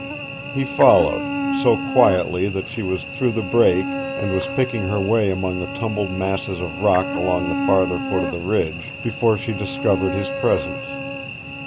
He followed, so quietly that she was through the break, and was picking her way among the tumbled masses of rock along the farther foot of the ridge, before she discovered his presence.